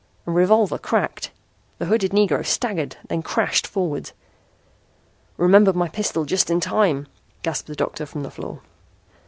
A revolver cracked. The hooded Negro staggered, then crashed forward. "Remembered my pistol just in time," gasped the doctor from the floor.